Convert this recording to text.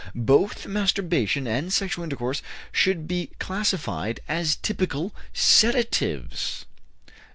Both masturbation and sexual intercourse should be classed as typical sedatives."